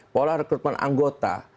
pola rekrutmen anggota